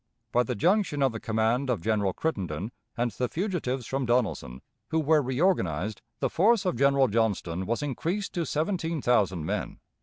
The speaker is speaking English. By the junction of the command of General Crittenden and the fugitives from Donelson, who were reorganized, the force of General Johnston was increased to seventeen thousand men.